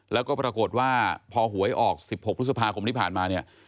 แล้วก็ปรากฏว่าพอหวยออก๑๖พฤษภาคมที่ผ่านมาเนี่ย